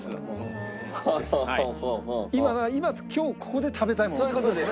今今日ここで食べたいものって事ですよね？